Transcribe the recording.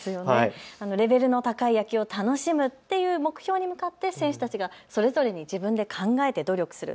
レベルの高い野球を楽しむという目標に向かって選手たちがそれぞれに自分で考えて努力する。